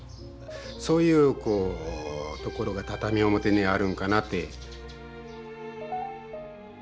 そういうところが畳表にあるんかなって。